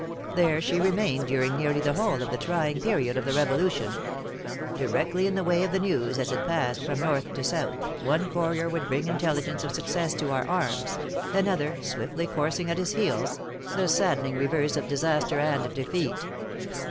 There she remained, during nearly the whole of the trying period of the Revolution. Directly in the way of the news, as it passed from north to south; one courier would bring intelligence of success to our arms; another, "swiftly coursing at his heels," the saddening reverse of disaster and defeat.